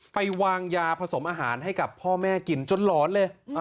ไปวางยาผสมอาหารให้กับพ่อแม่กินจนหลอนเลย